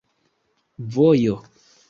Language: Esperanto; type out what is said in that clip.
vojo